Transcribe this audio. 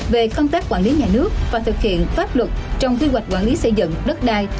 về công tác quản lý nhà nước và thực hiện pháp luật trong quy hoạch quản lý xây dựng đất đai